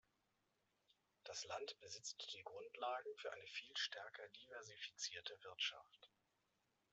Das Land besitzt die Grundlagen für eine viel stärker diversifizierte Wirtschaft.